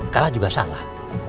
kalah juga salah